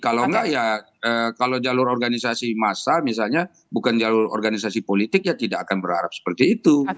kalau enggak ya kalau jalur organisasi massa misalnya bukan jalur organisasi politik ya tidak akan berharap seperti itu